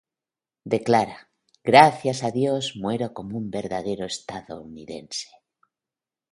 Declara: "Gracias a Dios, muero como un verdadero estadounidense".